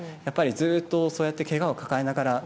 ずっとそうやってけがを抱えながら。